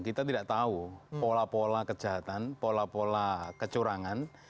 kita tidak tahu pola pola kejahatan pola pola kecurangan